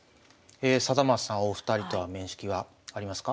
貞升さんお二人とは面識はありますか？